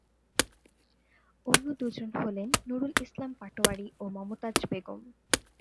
অন্য দুজন হলেন নুরুল ইসলাম পাটোয়ারী ও মমতাজ বেগম।